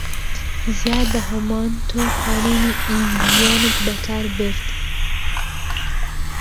زیاد لە هەمووان تۆ قانوونی ئیزدیانت بەکار برد: